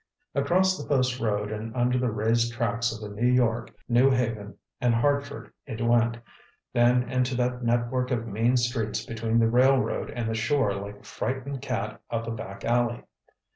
Across the Post Road and under the raised tracks of the New York, New Haven and Hartford it went, then into that network of mean streets between the railroad and the shore like a frightened cat up a back alley.